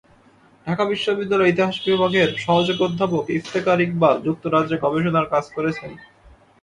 ঢাকা বিশ্ববিদ্যালয়ের ইতিহাস বিভাগের সহযোগী অধ্যাপক ইফতেখার ইকবাল যুক্তরাজ্যে গবেষণার কাজ করেছেন।